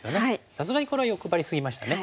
さすがにこれは欲張り過ぎましたね。